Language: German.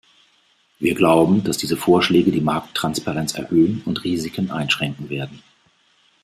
Wir glauben, dass diese Vorschläge die Markttransparenz erhöhen und Risiken einschränken werden.